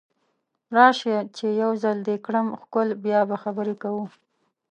راشه چې یو ځل دې کړم ښکل بیا به خبرې کوو